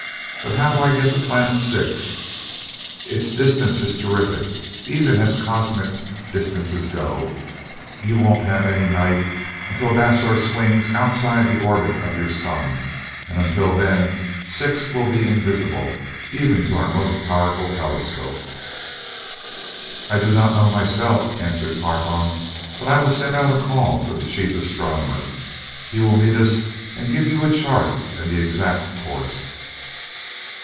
But how do I get to planet Six? Its distance is terrific, even as cosmic distances go. You won't have any night until Dasor swings outside the orbit of your sun, and until then Six will be invisible, even to our most powerful telescope." "I do not know, myself," answered Carfon, "but I will send out a call for the chief astronomer. He will meet us, and give you a chart and the exact course."